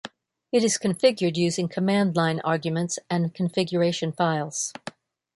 It is configured using command-line arguments and configuration files.